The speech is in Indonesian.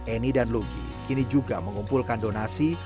eni dan lugi kini juga mengumpulkan donasi